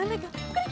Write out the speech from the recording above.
これ？